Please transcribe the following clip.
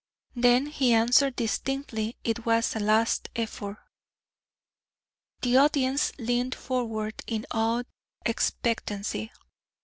Then he answered distinctly it was a last effort." The audience leaned forward in awed expectancy.